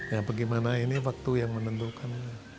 ya bagaimana ini waktu yang menentukan